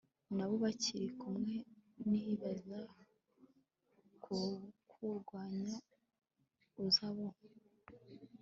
n abo bari kumwe nibaza kukurwanya uzabonke